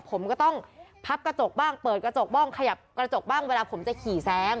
ผมก็ต้องพับกระจกบ้างเปิดกระจกบ้างขยับกระจกบ้างเวลาผมจะขี่แซง